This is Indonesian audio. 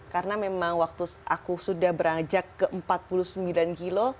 karena memang waktu aku sudah beranjak ke empat puluh sembilan kilo